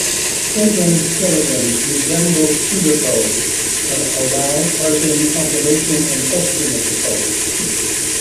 Program skeletons resemble pseudocode, but allow parsing, compilation and testing of the code.